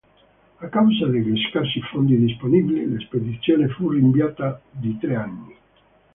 A causa degli scarsi fondi disponibili la spedizione fu rinviata di tre anni.